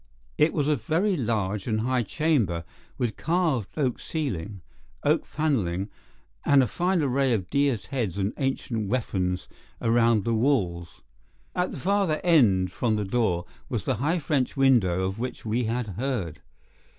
It was a very large and high chamber, with carved oak ceiling, oaken panelling, and a fine array of deer's heads and ancient weapons around the walls. At the further end from the door was the high French window of which we had heard.